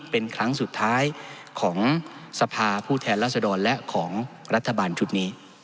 เป็นครั้งสุดท้ายของสภาผู้แทนรัศดรและของรัฐบาลชุดนี้